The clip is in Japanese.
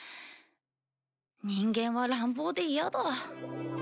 人間は乱暴で嫌だ。